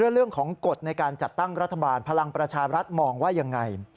เรื่องของกฎในการจัดตั้งรัฐบาลพลังประชารัฐมองว่ายังไง